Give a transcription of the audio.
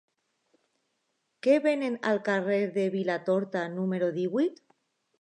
Què venen al carrer de Vilatorta número divuit?